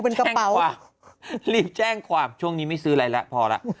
แช่งความรีบแช่งความช่วงนี้ไม่ซื้ออะไรทำพอล่ะ